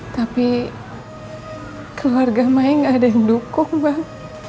tapi keluarga mae gak ada yang dukung bang